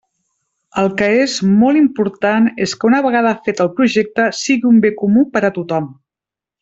El que és molt important és que una vegada fet el projecte sigui un bé comú per a tothom.